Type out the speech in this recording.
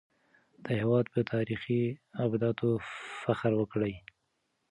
د هېواد په تاريخي ابداتو فخر وکړئ.